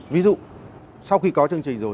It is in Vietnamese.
ví dụ sau khi có chương trình rồi